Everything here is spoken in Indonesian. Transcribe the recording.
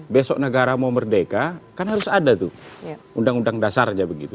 besok negara mau merdeka kan harus ada tuh undang undang dasar aja begitu